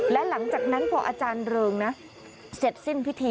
และหลังจากนั้นพออาจารย์เริงนะเสร็จสิ้นพิธี